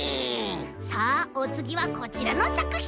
さあおつぎはこちらのさくひん！